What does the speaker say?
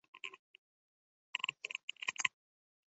Baʼzida yozging keladi-yu, yozmay yuraversan.